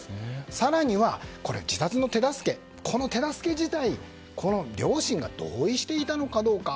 更には、自殺の手助けこの手助け自体両親が同意していたのかどうか。